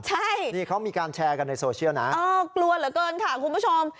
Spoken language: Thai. ใช่นี่เขามีการแชร์กันในโซเชียลนะเออกลัวเหลือเกินค่ะคุณผู้ชม